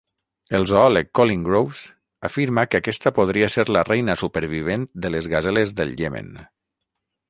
El zoòleg Colin Groves afirma que aquesta podria ser la reina supervivent de les gaseles del Iemen.